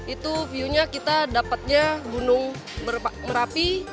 itu view nya kita dapatnya gunung merapi